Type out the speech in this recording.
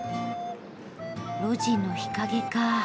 路地の日陰か。